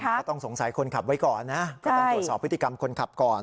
ก็ต้องสงสัยคนขับไว้ก่อนนะก็ต้องตรวจสอบพฤติกรรมคนขับก่อน